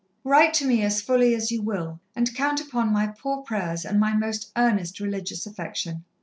"Write to me as fully as you will, and count upon my poor prayers and my most earnest religious affection.